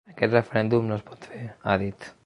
Aquest referèndum no es pot fer, ha dit.